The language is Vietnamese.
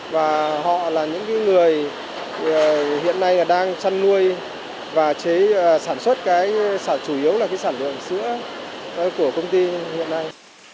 và họ là những người hiện nay đang chăn nuôi và sản xuất chủ yếu là sản lượng sữa của công ty hiện nay